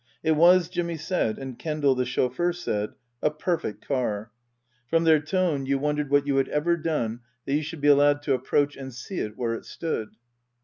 It was, Jimmy said and Kendal, the chauffeur, said, a perfect car. From their tone you wondered what you Book II : Her Book 225 had ever done that you should be allowed to approach and see it where it stood.